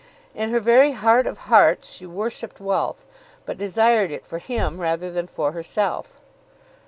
In her very heart of hearts she worshipped wealth, but desired it for him rather than for herself.